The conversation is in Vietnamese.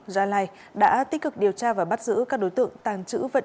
gia lai đã tích cực điều tra và bắt giữ các đối tượng tàn trữ vật